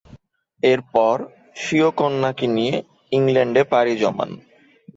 এরপর স্বীয় কন্যাকে নিয়ে ইংল্যান্ডে পাড়ি জমান।